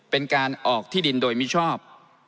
เป็นการออกที่ดินโดยมิชอบ